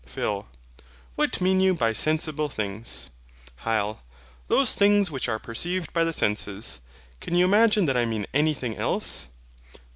PHIL. What mean you by Sensible Things? HYL. Those things which are perceived by the senses. Can you imagine that I mean anything else?